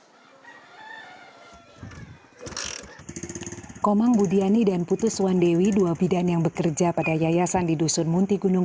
hai komang budiani dan putus suwandewi dua bidan yang bekerja pada yayasan di dusun munti gunung